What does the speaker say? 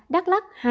đắk lắc hai